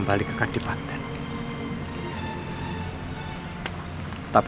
bagaimana kita akan mencari